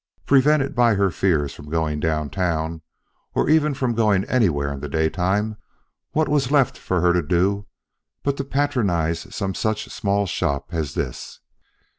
Prevented by her fears from going downtown, or even from going anywhere in the daytime, what was left for her to do but to patronize some such small shop as this.